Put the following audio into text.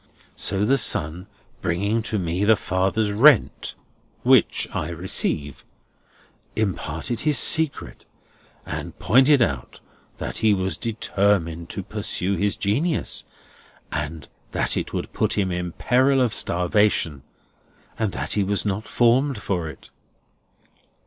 So the son, bringing to me the father's rent (which I receive), imparted his secret, and pointed out that he was determined to pursue his genius, and that it would put him in peril of starvation, and that he was not formed for it."